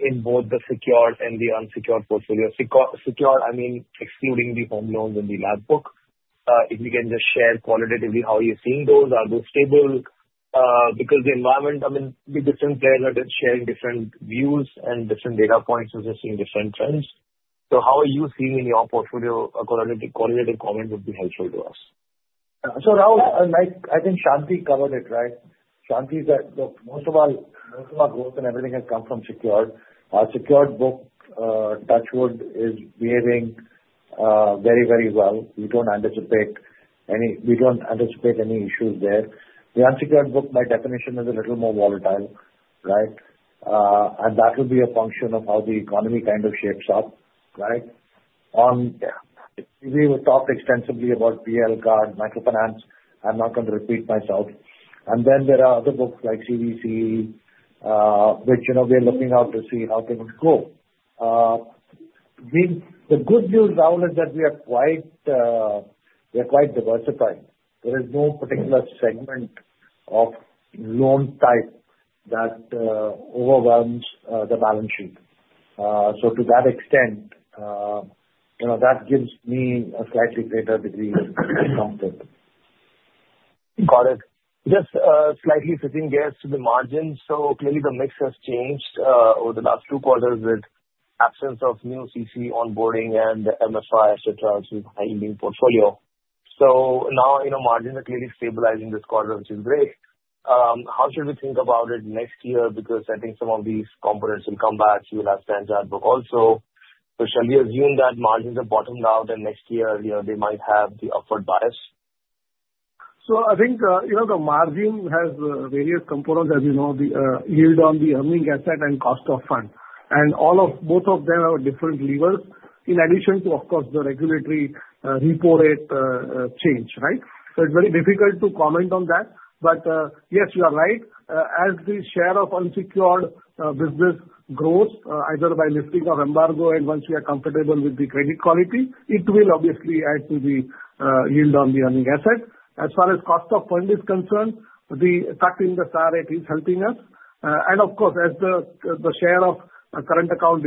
in both the secured and the unsecured portfolio? Secured, I mean, excluding the home loans and the LAP book. If you can just share qualitatively how you're seeing those, are those stable? Because the environment, I mean, the different players are sharing different views and different data points as they're seeing different trends. How are you seeing in your portfolio? A qualitative comment would be helpful to us. Rahul, I think Shanti covered it, right? Shanti said that most of our growth and everything has come from secured. Our secured book, touch wood, is behaving very, very well. We don't anticipate any issues there. The unsecured book, by definition, is a little more volatile, right? And that will be a function of how the economy kind of shapes up, right? We will talk extensively about PL card, microfinance. I'm not going to repeat myself. And then there are other books like CVs, which we are looking to see how they would grow. The good news, Rahul, is that we are quite diversified. There is no particular segment of loan type that overwhelms the balance sheet. So to that extent, that gives me a slightly greater degree of comfort. Got it. Just slightly shifting gears to the margins. So clearly, the mix has changed over the last two quarters with absence of new CC onboarding and MFI, etc., which is a high-yielding portfolio. So now margins are clearly stabilizing this quarter, which is great. How should we think about it next year? Because I think some of these components will come back. You will have Standalone book also. So shall we assume that margins are bottomed out and next year they might have the upward bias? So I think the margin has various components, as you know, yield on the earning assets and cost of funds. And both of them have different levers in addition to, of course, the regulatory repo rate change, right? So it's very difficult to comment on that. But yes, you are right. As the share of unsecured business grows, either by lifting of embargo and once we are comfortable with the credit quality, it will obviously add to the yield on the earning assets. As far as cost of funds is concerned, the cut in the SA rate is helping us. And of course, as the share of current account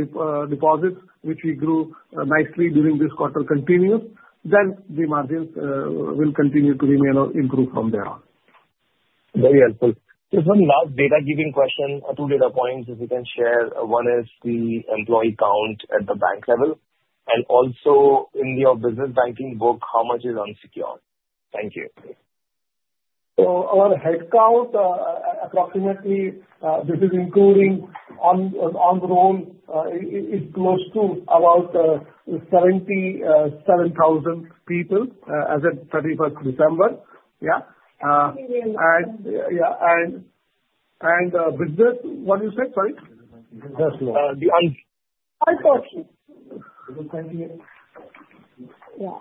deposits, which we grew nicely during this quarter, continues, then the margins will continue to remain or improve from there on. Very helpful. Just one last data-giving question, two data points, if you can share. One is the employee count at the bank level. And also, in your business banking book, how much is unsecured? Thank you. So our headcount, approximately, this is including on-roll, is close to about 77,000 people as of 31st December. Yeah. And business, what did you say? Sorry. Business loan. I thought. Business banking? Yeah.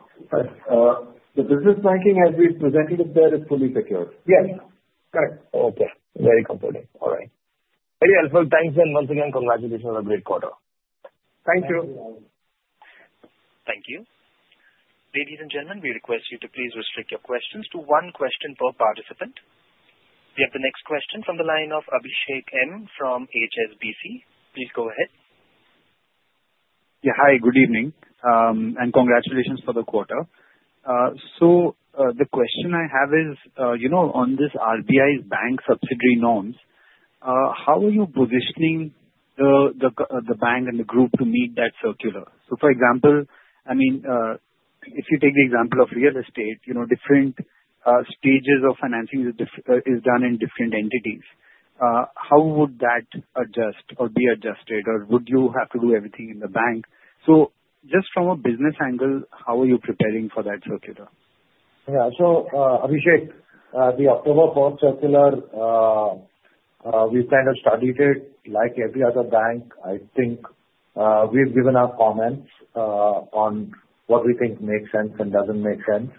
The business banking, as we presented it there, is fully secured. Yes. Correct. Okay. Very comforting. All right. Very helpful. Thanks again. Once again, congratulations on a great quarter. Thank you. Thank you. Ladies and gentlemen, we request you to please restrict your questions to one question per participant. We have the next question from the line of Abhishek M from HSBC. Please go ahead. Yeah. Hi, good evening. And congratulations for the quarter. So the question I have is, on this RBI's bank subsidiary norms, how are you positioning the bank and the group to meet that circular? So for example, I mean, if you take the example of real estate, different stages of financing is done in different entities. How would that adjust or be adjusted? Or would you have to do everything in the bank? So just from a business angle, how are you preparing for that circular? Yeah. So Abhishek, the October 4th circular, we've kind of studied it like every other bank. I think we've given our comments on what we think makes sense and doesn't make sense.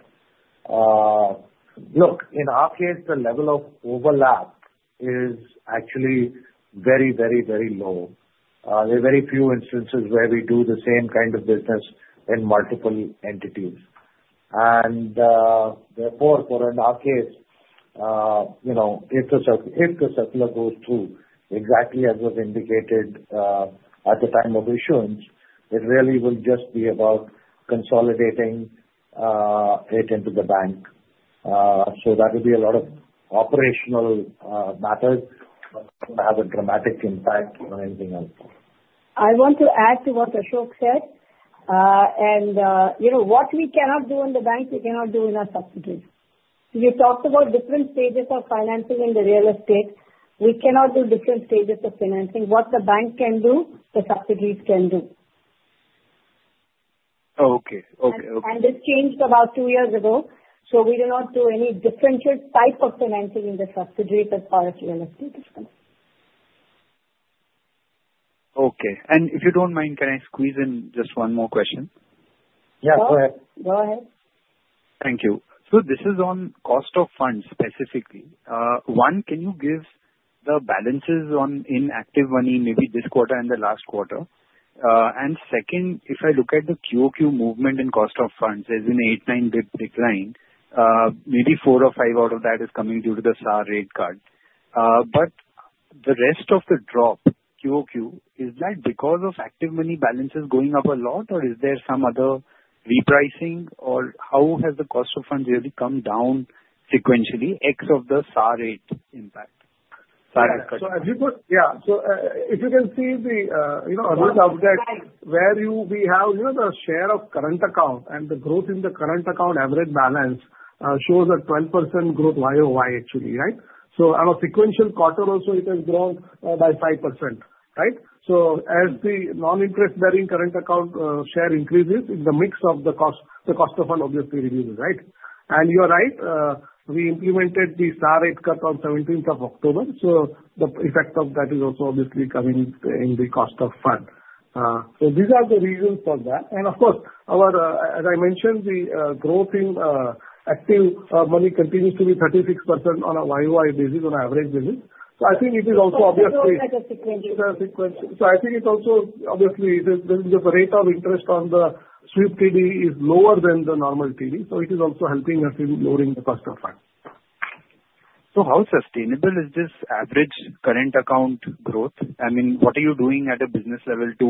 Look, in our case, the level of overlap is actually very, very, very low. There are very few instances where we do the same kind of business in multiple entities. And therefore, for in our case, if the circular goes through exactly as was indicated at the time of issuance, it really will just be about consolidating it into the bank. So that will be a lot of operational matters that will have a dramatic impact on anything else. I want to add to what Ashok said and what we cannot do in the bank, we cannot do in our subsidiaries. You talked about different stages of financing in the real estate. We cannot do different stages of financing. What the bank can do, the subsidiaries can do. Okay. Okay. This changed about two years ago. We do not do any differential type of financing in the subsidiaries as far as real estate is concerned. Okay. And if you don't mind, can I squeeze in just one more question? Yeah. Go ahead. Go ahead. Thank you. So this is on cost of funds specifically. One, can you give the balances on ActivMoney maybe this quarter and the last quarter? And second, if I look at the quarter-to-quarter movement in cost of funds, there's been an 8-9 basis point decline. Maybe 4 or 5 out of that is coming due to the SA rate cut. But the rest of the drop, quarter-to-quarter, is that because of ActivMoney balances going up a lot, or is there some other repricing? Or how has the cost of funds really come down sequentially ex the SA rate impact? Yeah. So if you can see the update where we have the share of current account and the growth in the current account average balance shows a 12% growth year-over-year, actually, right? So our sequential quarter also, it has grown by 5%, right? So as the non-interest-bearing current account share increases, the mix of the cost of fund obviously reduces, right? And you're right. We implemented the SA rate cut on 17th of October. So the effect of that is also obviously coming in the cost of fund. So these are the reasons for that. And of course, as I mentioned, the growth in ActivMoney continues to be 36% on a year-over-year basis, on an average basis. So I think it is also obviously. It's a sequential. It's sequential. So I think it also obviously, the rate of interest on the sweep TD is lower than the normal TD. So it is also helping us in lowering the cost of fund. So how sustainable is this average current account growth? I mean, what are you doing at a business level to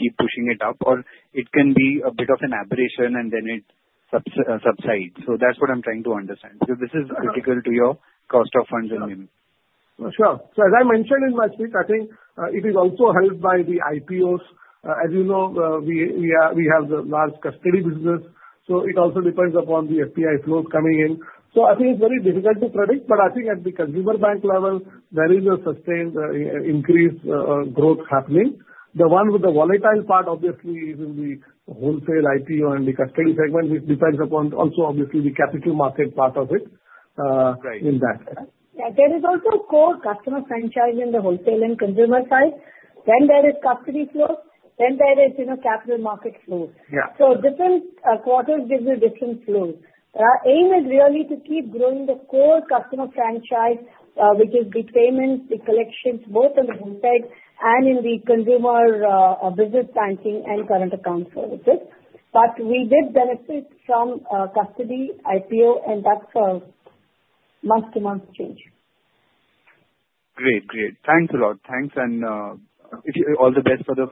keep pushing it up? Or it can be a bit of an aberration and then it subsides. So that's what I'm trying to understand. So this is critical to your cost of funds and limits. Sure. So as I mentioned in my speech, I think it is also helped by the IPOs. As you know, we have the large custody business. So it also depends upon the FPI flows coming in. So I think it's very difficult to predict. But I think at the consumer bank level, there is a sustained increase growth happening. The one with the volatile part, obviously, is in the wholesale IPO and the custody segment, which depends upon also, obviously, the capital market part of it in that. Yeah. There is also core customer franchise in the wholesale and consumer side. Then there is custody flows. Then there is capital market flows. So different quarters give you different flows. Our aim is really to keep growing the core customer franchise, which is the payments, the collections, both in the wholesale and in the consumer business banking and current account services. But we did benefit from custody IPO, and that's a month-to-month change. Great. Great. Thanks a lot. Thanks and all the best for the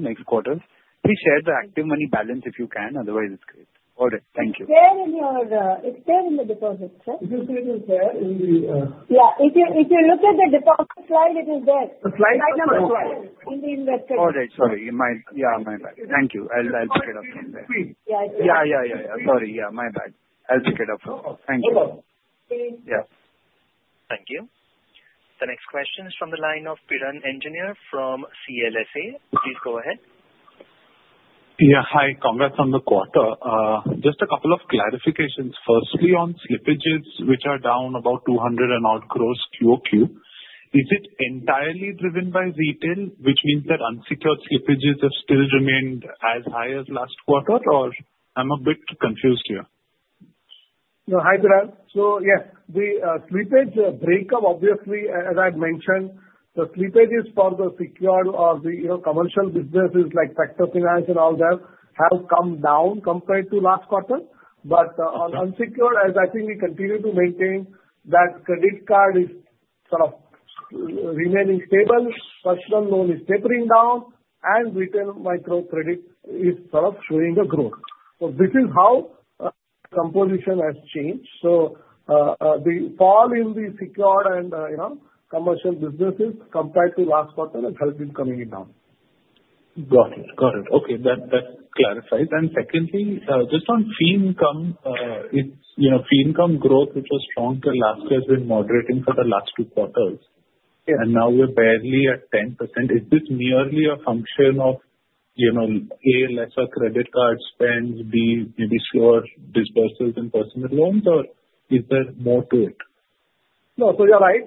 next quarter. Please share the ActivMoney balance if you can. Otherwise, it's great. All right. Thank you. It's there in yours, it's there in the deposits, right? It's written there in the. Yeah. If you look at the deposit slide, it is there. The slide number? The slide number. In the investors. All right. Sorry. Yeah. My bad. Thank you. I'll pick it up from there. Yeah. It's there. Yeah. Sorry. Yeah. My bad. I'll pick it up from there. Thank you. Okay. Yeah. Thank you. The next question is from the line of Piran Engineer from CLSA. Please go ahead. Yeah. Hi. Congrats on the quarter. Just a couple of clarifications. Firstly, on slippages, which are down about 200 bps quarter-to-quarter, is it entirely driven by retail, which means that unsecured slippages have still remained as high as last quarter, or I'm a bit confused here? No. Hi, Piran. So yes, the slippage breakup, obviously, as I've mentioned, the slippages for the secured or the commercial businesses like tractor finance and all that have come down compared to last quarter. But on unsecured, as I think we continue to maintain, that credit card is sort of remaining stable. Personal loan is tapering down, and retail micro-credit is sort of showing a growth. So this is how composition has changed. So the fall in the secured and commercial businesses compared to last quarter has been coming down. Got it. Okay. That clarifies. Secondly, just on fee income, fee income growth, which was strong till last year, has been moderating for the last two quarters. Now we're barely at 10%. Is this merely a function of lesser credit card spend, maybe slower disbursements in personal loans, or is there more to it? No. So you're right.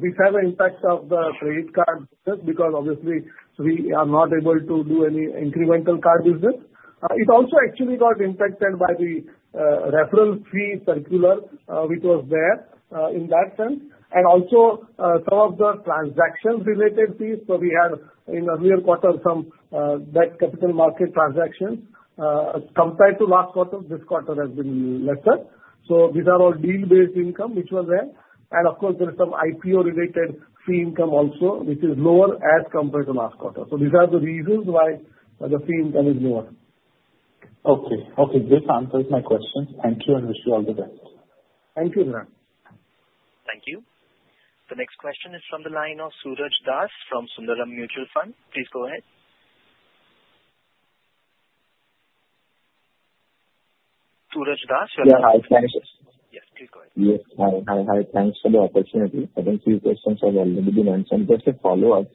We have an impact of the credit card business because, obviously, we are not able to do any incremental card business. It also actually got impacted by the referral fee circular, which was there in that sense. And also some of the transaction-related fees. So we had in the earlier quarter some debt capital market transactions. Compared to last quarter, this quarter has been lesser. So these are all deal-based income, which was there. And of course, there is some IPO-related fee income also, which is lower as compared to last quarter. So these are the reasons why the fee income is lower. Okay. Okay. This answers my questions. Thank you, and wish you all the best. Thank you, Piran. Thank you. The next question is from the line of Suraj Das from Sundaram Mutual Fund. Please go ahead. Suraj Das, you're the next. Yeah. Hi, thank you. Yes. Please go ahead. Yes. Hi. Hi. Hi. Thanks for the opportunity. I think a few questions have already been answered. Just a follow-up.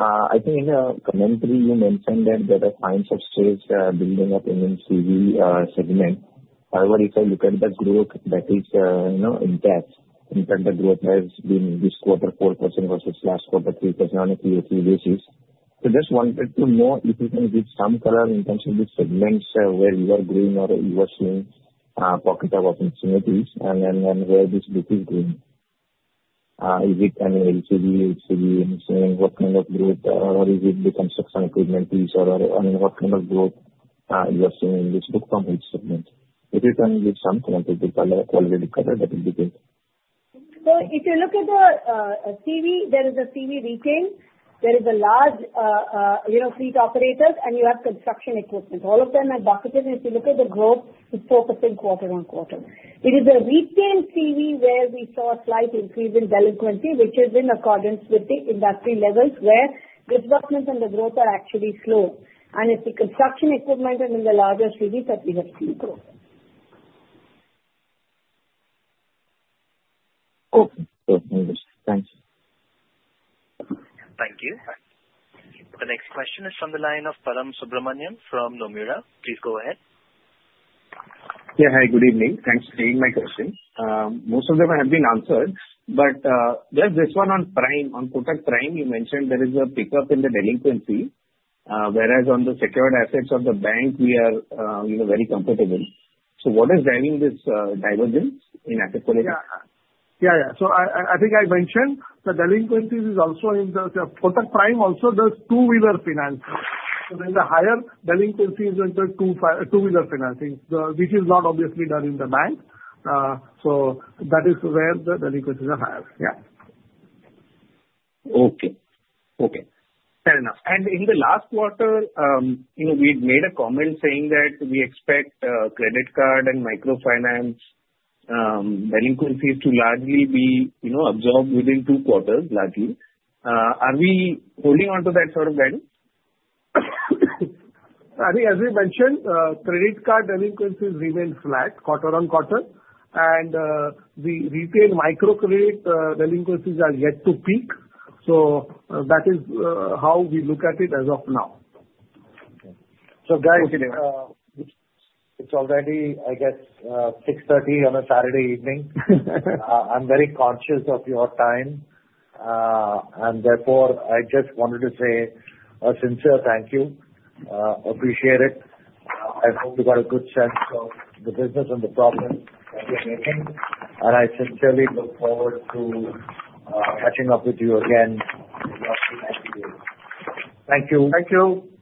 I think in the commentary, you mentioned that there are signs of stress building up in the CV segment. However, if I look at the growth, that is intact. In fact, the growth has been this quarter 4% versus last quarter 3% on a quarter-to-quarter basis. So just wanted to know if you can give some color in terms of the segments where you are growing or you are seeing pocket of opportunities and where this book is going. Is it an LCV, HCV, what kind of growth, or is it the construction equipment piece, or I mean, what kind of growth you are seeing in this book from each segment? If you can give some qualitative color, that would be good. So if you look at the CV, there is a CV retail. There is a large fleet operator, and you have construction equipment. All of them are bucketed. And if you look at the growth, it's focusing quarter on quarter. It is a retail CV where we saw a slight increase in delinquency, which is in accordance with the industry levels where disbursements and the growth are actually slow. And it's the construction equipment and in the larger CVs that we have seen growth. The next question is from the line of Param Subramanian from Nomura. Please go ahead. Yeah. Hi. Good evening. Thanks for taking my question. Most of them have been answered. But there's this one on Prime. On Kotak Prime, you mentioned there is a pickup in the delinquency, whereas on the secured assets of the bank, we are very comfortable. So what is driving this divergence in asset quality? Yeah. So I think I mentioned the delinquencies is also in the Kotak Prime also does two-wheeler financing. So then the higher delinquencies into two-wheeler financing, which is not obviously done in the bank. So that is where the delinquencies are higher. Okay. Okay. Fair enough. And in the last quarter, we had made a comment saying that we expect credit card and microfinance delinquencies to largely be absorbed within two quarters, largely. Are we holding on to that sort of value? I think, as we mentioned, credit card delinquencies remain flat quarter on quarter, and the retail microcredit delinquencies are yet to peak, so that is how we look at it as of now. Okay, so guys. Okay. It's already, I guess, 6:30 P.M. on a Saturday evening. I'm very conscious of your time. And therefore, I just wanted to say a sincere thank you. Appreciate it. I hope you got a good sense of the business and the progress that we're making. And I sincerely look forward to catching up with you again in the upcoming few days. Thank you. Thank you. Thanks.